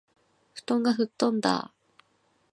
布団が吹っ飛んだあ